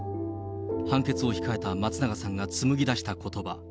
判決を控えた松永さんが紡ぎ出したことば。